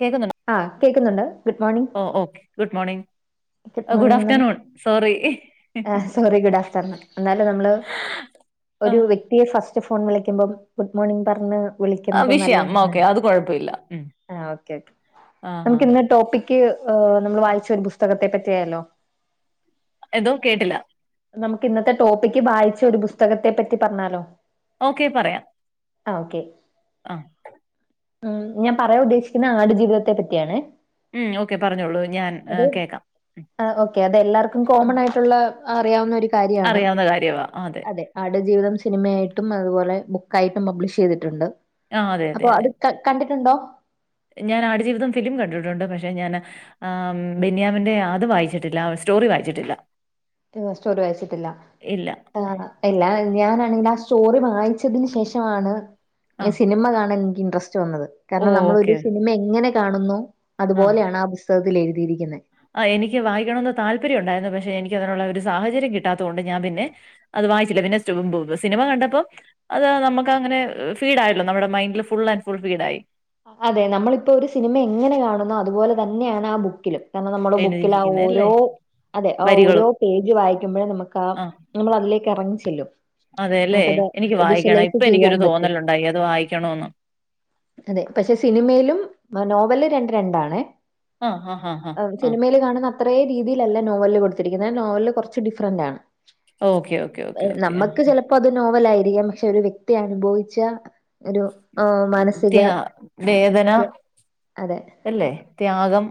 കേക്കുന്നുണ്ടോ ആഹ്, കേക്കുന്നുണ്ട്. ഗുഡ് മോർണിംഗ് അ് ഗുഡാഫ്റ്റർനൂൺ സോറി ആഹ്, സോറി ഗുഡാഫ്റ്റർനൂൺ. എന്നാല് നമ്മള് ഒരു വ്യക്തിയെ ഫസ്റ്റ് ഫോൺ വിളിക്കുമ്പം ഗുഡ് മോർണിംഗ് പറഞ്ഞ് ആ വിളിക്കന്നത് വിഷയം നല്ലെന്നെ. ഓക്കെ അത് കുഴപ്പമില്ല ഉം. ആ ഓക്കെ ഓകെ, ആഹാ. നമുക്ക് ഇന്ന് ടോപ്പിക് ക്ക് നമ്മൾ വായിച്ച ഒരു പുസ്തകത്തെ പറ്റിയായാലോ എന്തോ കേട്ടില്ല നമുക്ക് ഇന്നത്തെ ടോപ്പിക്ക്, വായിച്ച ഒരു പുസ്തകത്തെ പറ്റി പറഞ്ഞാലോ? ഓക്കേ, പറയാം ആ ഓക്കെ ആഹ് ഉം.. ഞാൻ പറയാൻ ഉദ്ദേശിക്കുന്ന ആടു ജീവിതത്തെ പറ്റിയാണ് ഉം ഓക്കെ പറഞ്ഞോളൂ ഞാൻ ആ, അത് കേക്കാം ഉം. അ ഓക്കെ അതെല്ലാർക്കും കോമൺ ആയിട്ടുള്ള അറിയാവുന്ന ഒരു കാര്യാണ്. അറിയാവുന്ന കാര്യമാ ആ, അതെ ആട് ജീവിതം സിനിമയായിട്ടും അതുപോലെ, ബുക്കായിട്ടും പബ്ലിഷ് ചെയ്തിട്ടുണ്ട്. ആ അതെ അതെ അപ്പോ അതെ അത് കണ്ടിട്ടുണ്ടോ? ഞാൻ ആടുജീവിതം ഫിലിം കണ്ടിട്ടുണ്ട്. പക്ഷെ ഞാൻ ആം ബെന്യാമിന്റെ അത് വായിച്ചിട്ടില്ല. സ്റ്റോറി വായിച്ചിട്ടില്ല. ഓ സ്റ്റോറി വായിച്ചിട്ടില്ല. ഇല്ല ആ എല്ലാ ഞാാനാണെങ്കിലാ സ്റ്റോറി വായിച്ചതിന് ശേഷവാണ് ആ ഈ സിനിമ കാണാൻ എനിക്ക് ഇൻട്രസ്റ്റ് വന്നത്. ഓ കാരണം നമ്മൾ ഒരു ഓക്കെ സിനിമ എങ്ങനെ കാണുന്നു അതുപോലെയാണ് ആ പുസ്തകത്തിലെഴുത് ആ എനിക്ക് വായിക്കണന്ന് താല്പര്യം ഉണ്ടായിരുന്നു. പക്ഷെ എനിക്ക് ക്കതിനുള്ള ഒരു സാഹചര്യം കിട്ടാത്തോണ്ട് ഞാൻ പിന്നെ, അത് വായിച്ചില്ല. പിന്നെ സിനിമ കണ്ടപ്പോ അത് നമുക്ക് അങ്ങനെ ഫീഡ് ആയല്ലോ. നമ്മുടെ മൈൻ്റില് ഫുൾ ആൻഡ് ഫുൾ ഫീഡായി. അതെ നമ്മളിപ്പോ ഒരു സിനിമ എങ്ങനെ കാണുന്നു അതുപോലെ തന്നെയാണ് ആ ബുക്കിലും. കാരണം നമ്മള് ബുക്കിലാ എഴുതിയിരിക്കുന്നെ അല്ലേ? ഓരോ അതെ ആ ഓരോ വരികളും പേജ് വായിക്കുമ്പോഴും നമുക്ക് ആ നമ്മൾ അതിലേക്ക് എറങ്ങി ചി അതേല്ലേ.. എനിക്ക് വായിക്കണം. വിഷ്വലൈസ് ഇപ്പൊ ചെയ്യാൻ എനിക്കൊരു പറ്റും തോന്നലുണ്ടായി. അത് വായിക്കണോന്ന് അതെ പക്ഷെ സിനിമയിലും, നോവൽല് രണ്ട് രണ്ടാണ് ആ സിനിമയില് കാണുന്ന അത്രേ രീതിയിലല്ല നോവലിലല് കൊടുത്തിരിക്കുന്നത്. നോവൽല് കൊർച്ച് ഡിഫറന്റ് ആണ് ഓക്കെ ഓക്കെ ഓക്കെ ഓക്കെ ആ നമ്മക്ക് ചിലപ്പോ അത് നോവലായി പക്ഷെ ഒരു വ്യക്തി അനുഭവിച്ച ഒരു മന ത്യാ വേദന അതെ അല്ലേ ത്യാഗം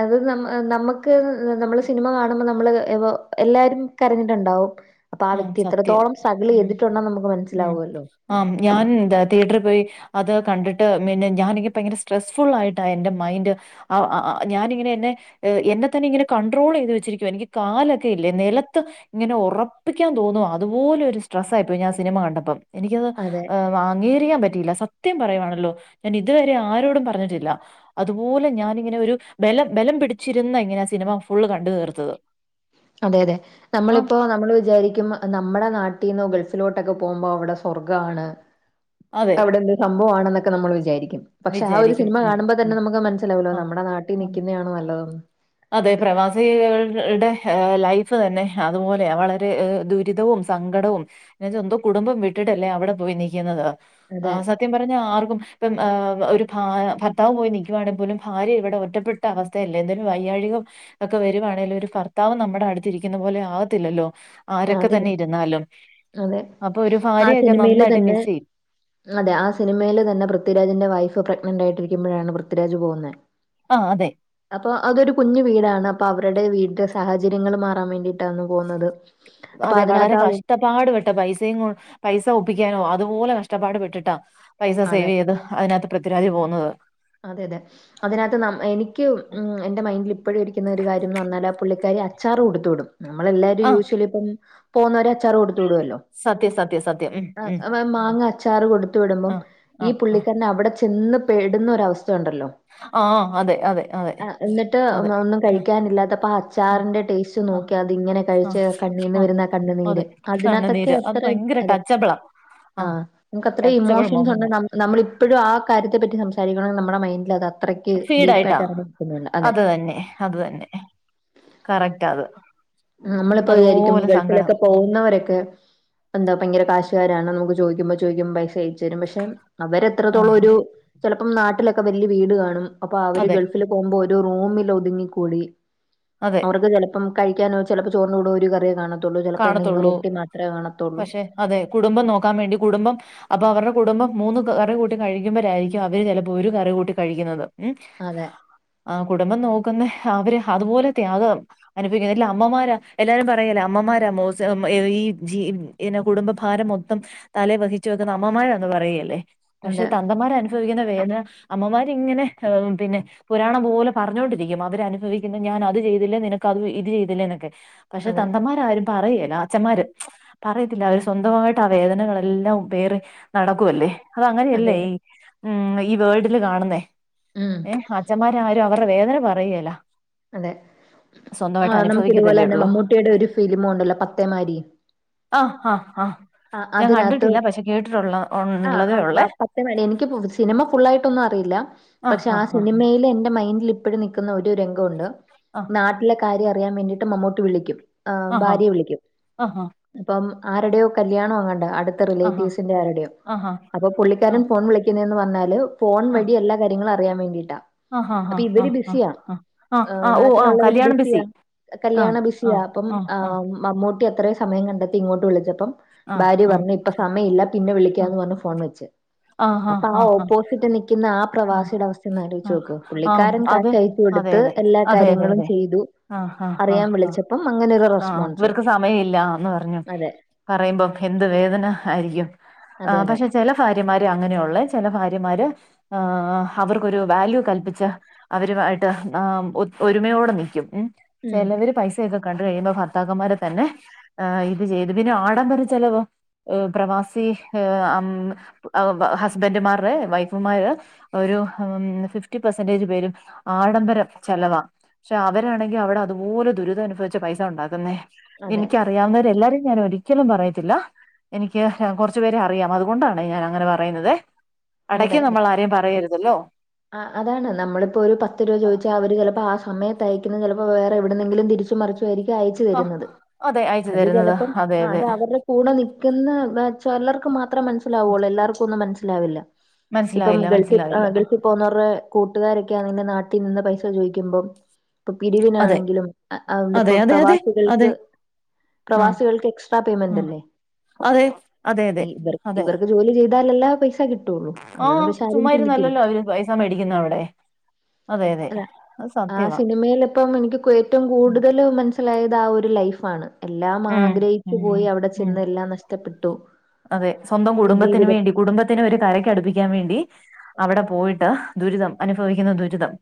അത് നമ്മ നമ്മക്ക് നമ്മള് സിനിമ കാണുമ്പോ നമ്മള് എവൊ എല്ലാരും കരഞ്ഞിട്ടുണ്ടാവും അപ്പൊ ആ വ്യക്തി സത്യം എത്രത്തോളം സ്ട്രഗിൾ ഉം ചെയ്തിട്ടുണ്ടെന്ന് നമുക്ക് ഉം മനസ്സിലാവുമല്ലോ ആം ഞാനുന്താ തിയറ്ററി പോയി അത് കണ്ടിട്ട് മിന്നെ ഞാനി ഭയങ്കര സ്ട്രെസ്ഫുൾ ആയിട്ടാ എന്റെറെ മൈന്റ് ആ അ അ ഞാനിങ്ങനെ എന്നെ എന്നെ തന്നെ ഇങ്ങനെ കണ്ട്രോളെയ്ത് വെച്ചിരിക്കുവാ. എനിക്ക് കാലൊക്കെ ഇല്ലേ നിലത്ത് ഇങ്ങനെ ഉറപ് പ്പിക്കാൻ തോന്നുവാ. അതുപോലൊരു സ്ട്രെസ് ആയിപ്പോയി ഞാൻ സിനിമ കണ്ടപ്പം. എനിക്കത് അതെ അ് മാ അങ്കീരിക്കാൻ പറ്റിയില്ല. സത്യം പറയുവാണല്ലോ ഞാൻ ഇതുവരെ ആരോടും പറഞ്ഞിട്ടില്ല. അതുപോലെ ഞാനിങ്ങനെ ഒരു ബലം ബലം പിടിച്ചിരുന്ന ഇങ്ങനാ സിനിമ ഫുള്ള് കണ്ട് തീർത്തത് അതെ അതെ ആഹ് നമ്മളിപ്പോ നമ്മള് വിചാരിക്കും നമ്മളെ നാട്ടീന്നൊ ഗൾഫ് ലോട്ടൊക്കെ പോകുമ്പോ അവിടെ സ്വർ അതെ പക്ഷെ ആ ഒരു വിചാരിക്കും സിനിമ ഉം കാണുമ്പോ ഉം തന്നെ നമുക്ക് മനസിലാവല്ലോ? ആഹ് നമ്മുടെ നാട്ടി ആഹ് നിക്കുന്നയാണ് നല്ലതന്ന്. അതെ പ്രവാസികളുടെ ലൈഫ് തന്നെ അതുപോലെയ വളരെ ദുരിതവും. സങ്കടവും എന്ന എന്തോ കുടുംബം വിട്ടിട്ടല്ലേ? അവിടെ പോയി നിൽക്കുന്നത്. ആ അതെ സത്യം പറഞ്ഞ ആർക്കും. ഇപ്പം ഒരു ഭ ഭർത്താവ് പോയി നിക്കുവാണെ പോലും ഭാര്യെ ഇവിടെ ഒറ്റപ്പെട്ട അവസ്ഥയല്ലേ ത് വൈയ്യഴികം ഒക്കെ വരുവാണെല് ഒരു ഭർത്താവ് നമ്മുടെ അടുത്തിക്കുന്ന പോലെ ആവത്തില്ലല്ലോ ആരൊക്കെ അതില്ല തന്നെ ഇരുന്നാലും, അതെ അപ്പൊ ഒരു ആ ഭാര്യയൊക്കെ സിനിമയില് നന്നായിട്ട് തന്നെ മിസ്സെയ്യും അതെ ആ സിനിമയില് തന്നെ പൃഥ്വിരാജിന്റെ വൈഫ് പ്രഗ്നന്റ് ആയിട്ടിരിക്കുമ്പോഴാണ് പൃഥ്വിരാജ് പോകുന്ന ആ അതെ. അപ്പൊ അതൊരു കുഞ്ഞു വീടാണ്. അപ്പൊ അവരുടെ വീട്ടില സാഹചര്യങ്ങൾ മാറാൻ വേണ്ടിയിട്ടാണ് പോകുന്നത്. അപ്പൊ അതെ വളരെ അതിനകത്ത് ആ ഉ- കഷ്ടപ്പാട് പെട്ട പൈസയും പൈസ ഒപ്പിക്കാനോ അതുപോലെ കഷ്ടപ്പാട് പെട്ടിട്ടാ പൈസ അതെ സേവ് ചെയ്ത്. അതിനകത്ത് പൃഥ്വിരാജ് പോകുന്നത്. അതെ അതെ അതിനകത്ത് ന എനിക്ക് എന്റെ മൈൻഡില് ഇപ്പോഴും ഇരിക്കുരിക്കുന്ന ഒരു കാര്യംന്ന് പറഞ്ഞാല് ആ പുള്ളിക്കാരി അച്ചാറ് കൊടുത്ത് വിടും. നമ്മളെ ആ എല്ലാരും യൂശ്വലി ഇപ്പം പോകുന്നവരെ അച്ചാറ് കൊടുത്ത് വിടുവല്ലോ? സത്യം സത്യം സത്യം ആ ഉം ഉം മാങ്ങ അച്ചാറ് കൊടുത്തു. വിടുമ്പം ആ ആ ഈ ആ പുള്ളിക്കാരന് അവിടെ ചെന്ന് പേടുന്നൊര വസ്ഥ ഉണ്ടല്ലോ? ആ ആ അതെ അതെ അതെ ആ എന്നിട്ട് അതെ ഒന്നും ആ കഴിക്കാനില്ലാത്തപ്പ. ആ അച്ചാറിന്റെ ടേസ്റ്റ് ആ നോക്കിയ അത് ഇങ്ങനെ ആ കഴിച്ച് കണ്ണീന്ന് ആ വരുന്ന അതെ കണ്ണണ്നീര്. അതിനകത്തൊക്കെ കണ്ണുനീര് അത് അത്ര ഭയങ്കര അതെ ടച്ചബിളാ ആ ആഹ് നമുക്ക് അത്ര ടച്ചബിൾ ഇമോഷൻസ് ഉണ്ട്. മൊമെന്റ് നമ്മള ഇപ്പോഴും ആ കാര്യത്തെ പറ്റി സംസാരിക്ക നമ്മടെ മൈൻന്റിൽ അത് അത്രയ്ക്ക് ഫീഡ് ആയിട്ടാ ഡീപ്പായിട്ട് ഇറങ്ങി നിൽക്കുന്നുണ്ട്. അതെ. അത് തന്നെ അത് തന്നെ. കറക്റ്റ് അത്. നമ്മളിപ്പോ വിചാരിക്കും. അതുപോലെ സങ്കടം ഗൾഫിലൊക്കെ പോകുന്നവരൊക്കെ. എന്താ ഭയങ്കര കാശുകാര് ആണ് നമ്മുക്ക് ചോദിക്ക്ബോ ചോദിക്കുമ്പോ പൈസ അയച്ച് തരും. പക്ഷെ അവരെ ആ എത്രത്തോളം ഒരു ചേ - ഇപ്പം നാട്ടിലൊക്കെ വലിയ വീട് കാണും. അപ്പൊ അവര് അതെ ഗൾഫില് പോകുമ്പോ ഒരു റൂമിൽ ഒതുങ്ങിക്കൂടി. അതെ അവർക്ക് ചിലപ്പം കഴിക്കാനോ ചിലപ്പോ ചോറിന് കൂടെ ഒരു കറിയോ കാണ കാണത്തുള്ളൂ പക്ഷെ അതെ കുടുംബം നോക്കാൻ വേണ്ടി. കുടുംബം അപ്പൊ അവരുടെ കുടുംബം മൂന്ന് കറി കൂട്ടി കഴിക്കുമ്പോഴ ആയിരിക്കും. അവര് ചിലപ്പോ ഒരു കറി കൂട്ടി കഴിക്കുന്നത്. ഉം അതെ ആ കുടുംബം നോക്കുന്ന അവര്. അതുപോലെ ത്യാഗം അനുഭവിക്കുന്നില്ല. അമ്മമാര് എല്ലാരും പറയല അമ്മമാരാ മോസാ ഈ ജിഎന്നാ കുടുംബഭാരം മൊത്തം തലേ വഹിച്ചു വെക്കുന്ന അമ്മമാരാ പറയിയേല്ലേ പക്ഷെ അതെ തന്തമ്മാര് അനുഭവിക്കുന്ന - [unintelligible] അമ്മമാരിങ്ങനെ പിന്നെ പുരാണം പോലെ പറഞ്ഞോണ്ടിരിക്കും. അവരനുഭവിക്കുന്ന ഞാനത് ചെയ്തില്ലേ നിനക്ക് അത് ഇത് ചെയ്തില്ലേ എന്നൊക്കെ പക്ഷെ അതെ തന്തമാര്. എരും പറയെല്ല അച്ചാൻമ്മാര് പറയത്തില്ല. അവര് സ്വന്തമായിട്ട് ആ വേദനകളെല്ലാം പേറി നടക്കുവല്ലേ. അത അതെ അങ്ങനെയല്ലേ അതെ ഈ ഉം ഈ വേൾഡില് കാണുന്നേ. ഉം ഏ അച്ഛന്മാരായ അവരുടെ വേദന പറയെല്ല. അതെ ആ നമുക്ക് ഇതുപോലെ അനുഭവിക്കത്തല്ലേ തന്നെ ഉള്ളൂ മമ്മൂട്ടിയുടെ ഒരു ഫിലിമോണ്ടല്ലോ പത്തേമാരി. ആഹആഹ് ആ ഞാൻ അതിനകത്ത് കണ്ടിട്ടില്ല പക്ഷെ കേട്ടിട്ടുള്ള ഓ ആ ആ പത്തേമാരി എനിക്ക് സിനിമ ഫുള്ള ആയിട്ടൊന്നും അറിയില്ല. ആഹ് പക്ഷെ ആ ആഹ് സിനിമയിൽ എന്റെ മൈൻഡ് ഇപ്പോഴും നിൽക്കുന്ന ഒരു രംഗംണ്ട് ആഹ് നാട്ടിലെ കാര്യം അറിയാൻ വേണ്ടിയിട്ട് മമ്മുട്ടി വിളിക്കും. ആ ആഹ് ഭാര്യയെ വിളിക്കും. ആഹ് അപ്പം ആരുടെയോ കല്യായണം. അങ്ങണ്ട അടുത്ത ആഹ് റിലേറ്റീവിസിന്റെ ആരുടെ ആഹ് അപ്പൊ പുള്ളിക്കാരൻ ആഹ് ഫോൺ വിളിക്കുന്നന്ന് പറഞ്ഞാല്. ഫോൺ വഴി എല്ല കാര്യങ്ങളും അറിയൻ വേണ്ടിട്ട്. ആഹ് ആഹ് ആഹ് അപ്പൊ ആഹ് ഇവര് ആഹ് ആഹ് ബിസിയാ ആഹ് ആഹ് ആഹ് ഓ ആഹ് നാട്ടിലുള്ളവര് കല്യാണം ബിസിയ. ബിസി ആഹ് കല്യാണ ബിസിയാ ആഹ് അപ്പം ആഹ് ആ ആഹ് മമ്മൂട്ടി അത്രയും സമയം കണ്ടെത്തി ഇങ്ങോട്ട് വിളിച്ചപ്പം ആഹ് ഭാര്യ ആഹ് പറഞ്ഞു. ഇപ്പൊ സമയം ഇല്ല. പിന്നെ വിളിക്കാന്ന് പറഞ്ഞു ഫോൺ വെച്ച്. ആഹ് അപ്പൊ ആ ആഹ് ആഹ് ഓപ്പോസിറ്റ് നിക്കുന്ന ആ ആഹ് പ്രവാസിയുടെ അവസ്ഥ ഒന്ന് ആ ആലോചിച്ച് നോക്ക് ആം പുള്ളിക്കാരൻ അത് കാശ് അയച്ചു അതെ കൊടുത്ത് അതെ എല്ലാ അതെ അതെ കാര്യങ്ങളും അതെ. ചെയ്തു ആഹ് ആഹ് അറിയാൻ ആഹ ആ വിളിച്ചപ്പം അങ്ങനെ ഒരു ആഹ റെസ്പോൺസ് ഇവർക്ക് സമയ ഇല്ലന്ന് പറഞ്ഞു. അതെ പറയുമ്പോ എന്ത് വേദന ആയിരിക്കും. ആ അതെ അതെ പക്ഷെ ചില ഫാര്യമാര് അങ്ങനെയുള്ളേ ചില ഫാര്യമാര് ആ അവർക്കൊരു വാല്യൂ കല്പ്പിച്ച് അവരുമായിട്ട് ഒരുമയോടെ നിൽക്കും. ഉം ഉം ചിലവര് പൈസെയൊക്കെ കണ്ട് അത്കഴിയുമ്പോ ഭർത്താക്കന്മാരെ തന്നെ ആ ഇത് ചെയ്തു പിന്നെ ആഡംമ്പര ചെലവോ ആഹ് പ്രവാസി അഹ് അം ഹസ്ബന്റ്റുമാർടെവൈഫുമാര് ഒരു ഉം ഫിഫ്റ്റി പെർസെന്റേജ് പേരും ആഡംബരം ചെലവാ പക്ഷെ അവരാണെങ്കിൽ അവിടെ അതുപോലെ ദുരിതമ അനുഭവിച്ച് പൈസ ഉണ്ടാക്കുന്നേ അതെ എനിക്ക്അറിയാവുന്നവ എല്ലാരേം ഞാൻ ഒരിക്കലും പറയത്തില്ല എനിക്ക് കുറച്ചു പേര അറിയാം അതുകൊണ്ടാണേ ഞാൻ അങ്ങനെ പറയുന്നുന്നതേ എടയ്ക്ക് അതെ അതെ നമ്മൾ ആരെയും പറ ആ അതാണ് നമ്മളിപ്പോ ഒരു പത്ത് രൂപ ചോദിച്ചാ അവര് ചിലപ്പോ ആ സമയത്ത് തയക്കുന്നത് ചിലപ്പോ വേറെ എവിടുന്നെങ്കിലും തിരിച്ചുംമറിച്ചു ആയിരിക്കും അയച്ചു ആ തരുന്നത് അതെ അയച്ചു അത് തരുന്നത് ചിലപ്പം അതെ ആ അതെ അത് അവരുടെ കൂടെ നിക്കുന്ന ചെലർക്ക് മാത്രം മനസ്സിലാവുള്ളൂ എല്ലാർക്കും ഒന്നു മനസ്സില ലാവില്ല ഇപ്പം മനസ്സിലായില്ല ഗൾഫിൽ മനസ്സിലായില്ല ഗൾഫിൽ പോകുന്നവറ്വേ കൂട്ടുകാരൊക്കെ നാട്ട നിന്ന പൈസ ചോയിക്കുമ്പോം ഇപ്പൊ അതെ പിരിവിനാണെങ്കിലും ആ ആ ഇപ്പോ അതെ അതെ അതെ പ്രവാസികൾക്ക് അതെ ആ പ്രവാസികൾക്ക് എക്സ്ട്രാ പേയ്മെന്റ് ആ അല്ലേ അതെ അതെ അതെ ഇ അതെ ഇവർക്ക് ജോലി ചെയ്ത് എന്തായാല എല്ലാ പൈസ കിട്ടുള്ളു അതൊന്നും ആഹ് പക്ഷെ ആരും ചുമ്മാ ചിന്തിക്കില്ല ഇരുന്നല്ലല്ലോ അവര് പൈസ മേടിക്കുന്ന അവിടെ അതെ അതെ അല്ല അത് ആ സത്യവാ സിനിമയിൽ ഇപ്പം എനിക്ക് ഏറ്റവും കൂടുതൽ മനസി മനസിലായത് ആ ഒരു ലൈഫാണ് എല്ലാം ഉം ആഗ്രഹിച്ചു ഉം പോയി അവിടെ ഉം ചെന്ന് എല്ലാം നഷ്ടപ്പെട്ടു അതെ സ്വന്തം കുടുംബത്തിന് ജീവിതം വേണ്ടി കുടുംബത്തിന് ഒരു കരക്ക് അടുപ്പിക്കാൻ വേണ്ടി അവിടെ പോയിട്ട് ദുരിതം അനുഫവിക്കുന്ന ദുരിതം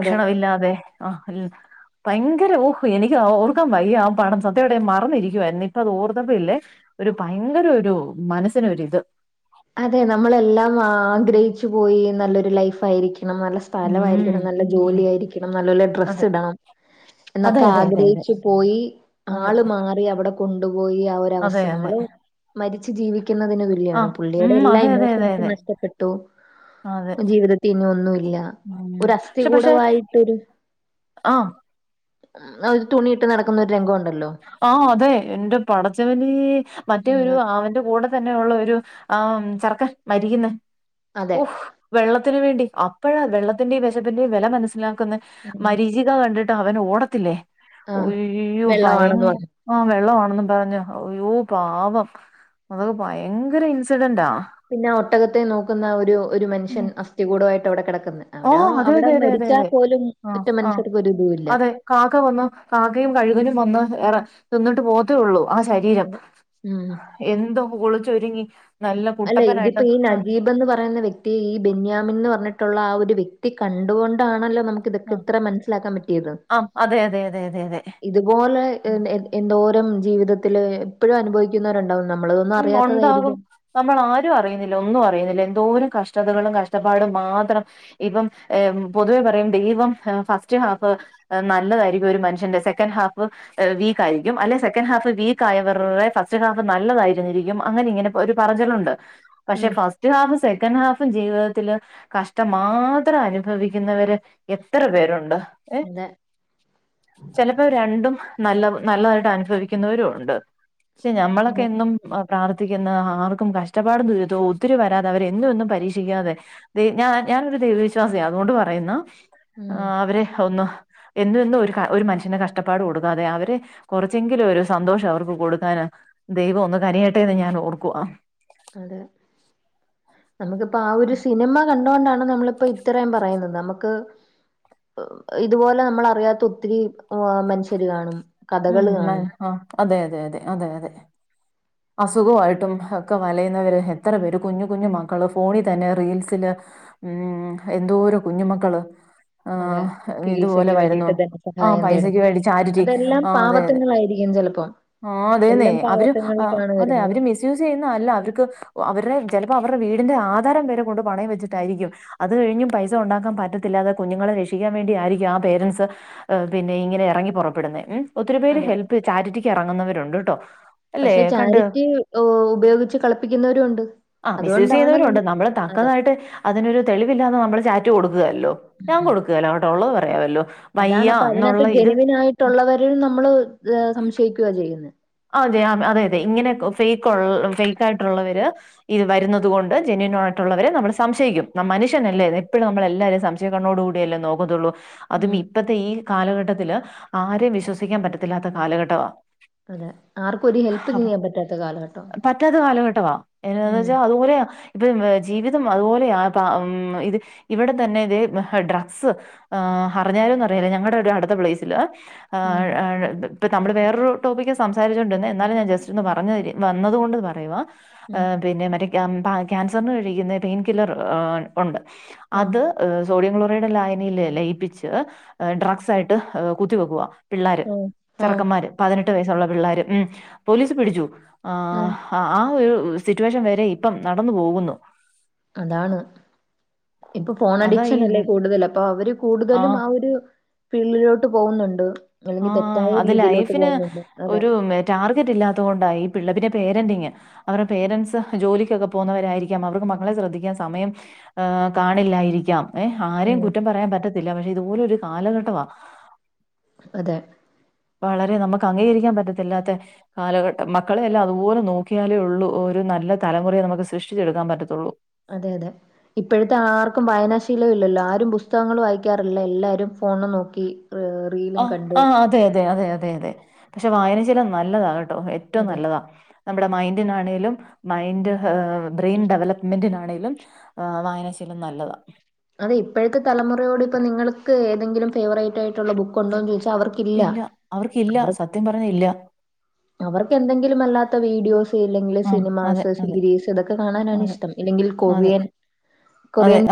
അതെ ഇല്ലാതെ ആ ഭയങ്കര ഓഹ് എനിക്ക് ഓർക്കാൻ വയ്യ ആ പടം സത്യമായിട്ട് മറന്നിരിക്കുവായിരുന്നു ഇപ്പ അത് ഓർത്തപ്പോ ഇല്ലേ ഒരു ഭയ ഭയങ്കര ഒരു മനസ്സിനൊരി ഇത് അതെ നമ്മളെല്ലാം ആഗ്രഹിച്ചു പോയി നല്ലൊരു ലൈഫ് ആയിരിക്കും ണം നല്ല സ്ഥല ഉം ആയിരിക്കണം നല്ല ഉം ജോലി ആയിരിക്കണം നല്ലോലെ ഡ്രസ്സ് അതെ ഇടണം അതെ എന്നൊക്കെ അതെ അതെ അതെ ആഗ്രഹിച്ചു പോയി അതെ ആള് മാറി അവിടെ കൊണ്ടുപോയി ആ അതെ ഒരവസ്ഥ അതെ നമ്മള് മരിച്ച് ജീവിക്കുന്നതിന് തുല്യാണ് ആഹ് അതൊടെ ഉം എല്ലാ അതെ അതെ അതെ ഇമോഷൻസും അതെ നഷ്ടപ്പെട്ടു അതെ ജീവിതത്തിൽ ഇനി ഒന്നൂല്ല ഒരു ഉം പക്ഷെ പക്ഷെ അസ്ഥികൂടായിട്ടൊരു ആഹ് ന്ന ഒരു തുണി ആ അതെ എന്റെ പടച്ചവനേ മറ്റേ ഉം ഒരു അവന്റെ കൂടെ തന്നെ ഉള്ള ഒരു ആ ചെറക്കൻ മരിക്കുന്നെ‌ അതെ ഓഹ് വെള്ളത്തിന് വേണ്ടി അപ്പോഴാ വെള്ളത്തിന്റെയും വെശപ്പിന്റെയും വെല മനസ്സിലാക്കുന്നേ ഉം മരീചിക കണ്ടിട്ട് അവന് ഓടത്തില്ലേ ആഹ് ഒയ്യോ വെള്ളമാണെന്ന് ഭയങ്കര പറഞ്ഞു ആ വെള്ളം ന്നുംപറഞ് അയ്യോ പാവം അതൊ ഭയങ്കര ഇൻസിഡന്റാ പിന്നെ ഒട്ടകത്തെ നോക്കുന്ന ഒരു ഒരു മനുഷ്യൻ അസ്ഥികൂടവായിട്ട് അവിടെ കിടക്ക ഓ അതെ അതെ അതെതെ ആ മറ്റു ആ മനുഷ്യർക്ക് ഒരു ഇതും ഇല്ല അതെ കാക്കവന്ന് കാക്കയും കഴുകനുംവന്ന് എറെ തിന്നിട്ട് പോവത്തേയുള്ളൂ ആ ശരീരം ഉം എന്തോ കുളിച്ചൊരുങ്ങി നല്ല അല്ലെ കുട്ടപ്പനായിട്ട് ഇതിപ്പോഈ ആഹ് നജീബ് എന്ന്പറയുന്ന വ്യക്തി ഈ ബെൻയാമിൻ ന്ന് പറഞ്ഞിട്ടുള്ള ആ ഒരു വ്യക്തി കണ്ടുകൊണ്ടാണല്ലോ നമുക്ക് ഇതൊക്കെ ആഹ് ഇത്ര മനസ്സിലാക്കാൻ പറ്റിയത് ആഹ് അതെ അതെ അതെ അതെ അതെ ഇതുപോലെ ഏ എന്തോരം ജീവിതത്തില് ഇപ്പോഴും അനുഭവിക്കുന്നവരുണ്ടാവും നമ്മളിതൊന്നും ഉം ഒണ്ടാകും അറിയാത്തതായിരിക്കും നമ്മൾ ആരും അറിയുന്നില്ല ഒന്നും അറിയുന്നില്ല എന്തോരം കഷ്ടതകളും കഷ്ടപ്പാടും മാത്രംഇപ്പം ഏ പൊതുവെ പറയും ദൈവം ഫസ്റ്റ് ഹാഫ് നല്ലതായിരിക്കും ഒരു മനുഷ്യന്റെ സെക്കൻ് ഹാഫ് വീക്ക് ആരിക്കും അല്ലെങ്കി സെക്കൻഡ് ഹാഫ് വീക്കായവർടെ ഫസ്റ്റ് ഹാഫ് നല്ലതായിരിക്കും [unintelligible] അങ്ങനെ ഇങ്ങനെ ഒരു പറചിലുണ്ട് പക്ഷെ ഉം. ഫസ്റ്റ് ഹാഫ് സെക്കൻ് ഹാഫ് പ്പോ ജീവിതത്തില് കഷ്ടം മാത്രം അനുഭവിക്കുന്നവര് എത്ര പേരുണ്ട്? ഏ അതെ. ചെലപ്പോ രണ്ടും നല്ല നല്ലതായിട്ട് അനുഫവിക്കുന്നവരും ഉണ്ട് പക്ഷെ ഞമ്മളൊക്കെ അതെ. എന്നും പ്രാർത്ഥിക്കുന്ന ആർക്കും കഷ്ട്ടപ്പാടും ദുരിതവും ഒത്തിരി വരാതെ അവരേന്ന് ന്നും പരീക്ഷിക്കാതെഞ ഞാനൊരു ദൈവവിശ്വാസിയ അതുകൊണ്ട് പറയുന്നു ആ ഉം. അവരെ ഒന്ന്. എന്നെന്നും ഒരു മനുഷ്യന് കഷ്ടപ്പാട് കൊടുക്കാതെ അവര് കുറച്ചെങ്കിലും ഒരു സന്തോഷം അവർക്ക് കൊടുക്കാൻ. ദൈവം ഒന്ന് കനിയട്ടെന്ന് ഞാൻ ഓർക്കുവാ. അതെ. നമുക്കിപ്പോ ആ ഒരു സിനിമ കണ്ടോ ണ്ടാണ് നമ്മളിപ്പോ ഇത്രയും പറയുന്നത്. നമക്ക് [inaudible] ഇതുപോലെ നമ്മള് അറിയാത്ത ഒത്തിരി ഒ മനുഷ്യര് കാണും. കഥകള് ഉം കാണും. ആ അതെ അതെ അതെ അതെ അതെ. അസുഖമായിട്ടും ഒക്കെ വലയുന്നവര് എത്ര പേര് കുഞ്ഞു കുഞ്ഞു മക്കള് ഫോണിൽ തന്നെ റീൽസില് ഉം എന്തൊരു കുഞ്ഞുമക്കള്. ആ അതെ. ഇതുപോലെ ചികിത്സയ്ക്ക് വരുന്നു വേണ്ടിയിട്ട് ആ പൈസക്ക് വേണ്ടി ചാരിറ്റി. ആ അതെ അതെ പാവത്തങ്ങളായിരിക്കും ചിലപ്പോം. ആ അതെന്നെ അവര് അതെ അവര് മിസ്യൂസ് ചെയ്യുന്ന അല്ല അത്ക്ക്‌ അവരുടെ ജന അപ്പോ അവരേ വീടിന്റെ ആധാരം വരെ കൊണ്ട് പണയം വെച്ചിട്ടായിരിക്കും അത് കഴിഞ്ഞു പൈസ ഉണ്ടാക്കാൻ പറ്റത്തില്ലാതെ കുഞ്ഞുങ്ങളെ രക്ഷി ക്ഷിക്കാൻ വേണ്ടി ആയിരിക്കും ആ പേരന്റ്സ് പിന്നെ ഇങ്ങനെ ഇറങ്ങി പൊ റപ്പെടുന്നെ ഉം. ഒത്തിരി പേര് അതെ. ഹെൽപ് ചാരിറ്റിക്ക് എ റങ്ങുന്നവരുണ്ട് ട്ടോ. പക്ഷെ ചാരിറ്റി ഉപയോഗിച്ച് കളപ്പിക്കുന്നവരും ഉണ്ട്. ആ മിസ്യൂസ് അതുകൊണ്ടാണ് ചെയ്യുന്നവരുണ്ട് നമുക്ക് നമ്മള് അതെ. തക്കതായിട്ട് അതിനൊരു തെളിവില്ലാതെ നമ്മള് കൊടുക്കല്ലോ ഉം. ഞാൻ ഉം. കൊടുക്കെലാ കേട്ടോ ഉള്ളത് പറയാമല്ലോ അതാണ് അപ്പൊ വയ്യന്നുള്ള അതിനകത്ത് ഇത് ജെനുവിൻ [inaudible] നമ്മള് സംശയിക്കുവാ ചെയ്യുന്നെ. അതെ [inaudible] അതെതെ ഇങ്ങനെ ഫേക്ക് ഫേക്ക ആയിട്ടുള്ളവര് ഇത് വരുന്നുന്നത് കൊണ്ട് ജെന്യൂൻ ള്ളവരെ നമ്മൾ സംശയിക്കും [inaudible] മുഷ്യനല്ലേ അതെ. എപ്പഴും നമ്മള് എല്ലാരരയും സംശയകണ്ണോട് കൂടിയല്ലേ നോക്കാത്തൊള്ളൂ അതും ഉം. ഇപ്പത്തെ ഈ കാലഘട്ടത്തില് ആരെ വിശ്വസിക്കാൻ പറ്റത്തില്ലാത്ത കാലഘട്ടവാ. അതെ. ആർക്കും ഒരു ഹെൽപ്പ് ചെയ്യാൻ പറ്റാത്ത കാലഘട്ടം. [inaudible] പറ്റാത്ത കാലഘട്ടവാ എ [inaudible] ഉം. വെച്ചാ അതുപോലെയ ഇപ്പ [inaudible] ജീവിതം അതുപോലെയ മ്മ് ഇവിടെ തന്നെ തെ ഡ്രക്ക്‌സ് [unintelligible] [unintelligible] അടുത്ത പ്ലേസില് ഉം. [inaudible] നമ്മള് വേറൊരു ടോപ്പിക്ക സംസാരിച്ചോടിരുന്നെ എന്നാലും ഞാൻ ജസ്റ്റ്ന്ന് പറഞ്ഞതിൽ വന്നതോണ്ട് കൊണ്ട് പറയുവാ ഉം. [inaudible] ക്യാൻസറിന് കഴിക്കുന്ന പെയിൻ കില്ലർ അ ഉണ്ട് ആഹ്. അത് സോഡിയം ക്ലോ വയുടെ ലായനിൽ ലയിപ്പിച്ച് ഡ്രഗ്സ് ആയിട്ട് [inaudible] കുത്തിവെക്കുവാ. പിള്ളാര് ആഹ്. ആഹ്. ചെറുക്കന്മാര് പതിനെട്ട് വയസ്സുള്ള പിള്ളോര് ഉം പോലീസ് പിടിച്ചു. ആ ആഹ്. ഹ ഒരു സിറ്റുവേഷൻ വരെ ഇപ്പം നടന്നു പോകുന്നു. അതാണ്. ഇപ്പൊ ഫോൺ അതാ ഈ അഡിക്ഷൻ അല്ലേ കൂടുതൽ അപ്പൊ അവര് കൂടുതലും ആഹ് ആ ഒരു പിള്ളിലോട്ട് പോവുന്നുണ്ട് അല്ലെങ്കിൽ ആഹ് തെറ്റായ അത് രീതിയിലോട്ട് ലൈഫിന് പോകുന്നുണ്ട് അതെ. തൊണ്ട ഈ പിള്ളതിന്റെ പേരന്റിങ് അവരേ പേരന്റസ് ജോലി കൊക്കെ പോകുന്നവരായിരിക്കാം അവർക്ക് മക്കളെ ശ്രദ്ധിക്കാൻ സമയം ഹ് കാണില്ലായിരിക്കാം. ഏ ആരേം ഉം. കുറ്റം പറയാൻ പറ്റത്തില്ല പക്ഷെ ഇതുപോലെ ഒരു കാലഘട്ടവാ. അതെ. വളരെ നമക്ക് അംഗീകരിക്കാൻ പറ്റത്തില്ലാത്ത കാലഘട്ടം മക്കളെ എല്ലാം അതുപോലെ നോക്കിയാലേയൊള്ളു ഒരു നല്ല തലമുറയെ നമുക്ക്‌ സൃഷ്ടിച്ചെടുക്കാൻ പറ്റതൊള്ളു. അതെ അതെ ഇപ്പോഴത്തെ ആർക്കും വായനാശീലവില്ലല്ലോ ആരും പുസ്തകങ്ങൾ വായിക്കാറില്ല എല്ലാരും ഫോണ് നോക്കി. ഏഹ് ആ റീലും കണ്ട് ആ അതെ അതെ അതെ അതെ അതെ പക്ഷെ വായന ശീലം നല്ലതാണ്ട്കെ ഏറ്റവും അതെ നല്ലതാ. നമ്മടെ മൈൻഡിനാണെലും മൈൻഡ് [inaudible] ബ്രെയിൻ ഡെവലപ്മെന്റിനാണെങ്കിലും മ്മ് വായനശീ നല്ലതാണ് അതെ ഇപ്പോഴത്തെ തലമുറയോട് ഇപ്പൊ നിങ്ങൾക്ക് എതെങ്കിലും ഫേവറേറ്റ് ആയിട്ടുള്ള ബുക്കുണ്ടോന്ന് ചോദിച്ച ഇല്ല അവർക്കില്ല സത്യം പറഞ്ഞ ഇല്ല അവർക്ക് എന്തെങ്കിലും അല്ലാത്ത വീഡിയോസ് ഇല്ലെങ്കിൽ ആഹ് അതെ സിനിമാസ് അതെ സീരീസ് ഇതൊക്കെ കാണാനാണ് അതെ ഇഷ്ടം അല്ലെങ്കിൽ അതെ അതെ കൊറിയൻ കൊറിയൻ